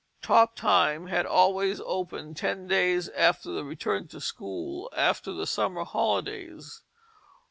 Top time had always opened ten days after the return to school after the summer holidays.